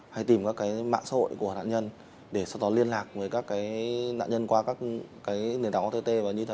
hay tìm các mạng xã hội của đại nhân để sau đó liên lạc với các đại nhân qua các nền tảng ott